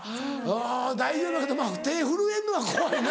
大丈夫やろうけど手震えんのは怖いな。